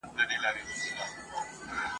تر بچو پوري خواړه یې رسوله ..